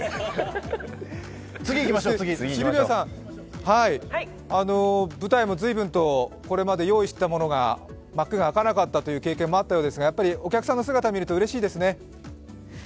シルビアさん、舞台も随分とこれまで用意していたものが幕が開かなかったという経験もあったようですが、やっぱりお客さんの姿を見るとうれしいですね？